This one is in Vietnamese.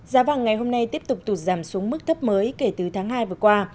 giá vàng ngày hôm nay tiếp tục tụt giảm xuống mức thấp mới kể từ tháng hai vừa qua